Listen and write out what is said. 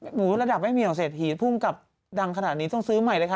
หนูระดับไม่มีหรอกเศรษฐีผู้กำกับดังขนาดนี้ต้องซื้อใหม่เลยค่ะ